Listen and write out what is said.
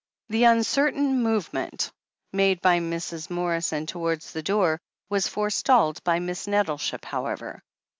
The uncertain movement made by Mrs. Morrison towards the door was forestalled by Miss Nettleship, however.